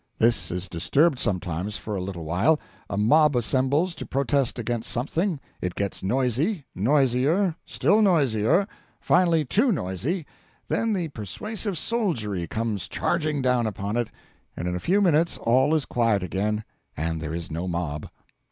This is disturbed sometimes for a little while: a mob assembles to protest against something; it gets noisy noisier still noisier finally too noisy; then the persuasive soldiery comes charging down upon it, and in a few minutes all is quiet again, and there is no mob.